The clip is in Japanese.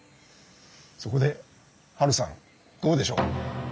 そこでハルさんどうでしょう？